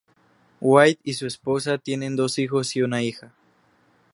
White y su esposa tienen dos hijos y una hija.